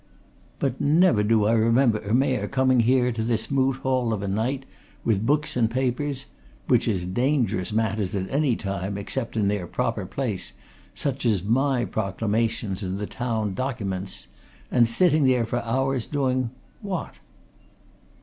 But never do I remember a Mayor coming here to this Moot Hall of a night, with books and papers which is dangerous matters at any time, except in their proper place, such as my proclamations and the town dockyments and sitting there for hours, doing what?"